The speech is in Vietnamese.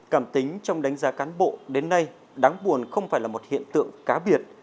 cảm tính trong đánh giá cán bộ đến nay đáng buồn không phải là một hiện tượng cá biệt